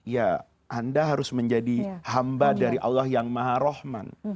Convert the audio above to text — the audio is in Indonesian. ya anda harus menjadi hamba dari allah yang maharohman